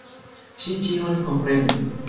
Ŝi ĉion komprenis.